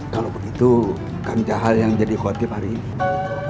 kalau begitu kang jahal yang jadi kotip hari ini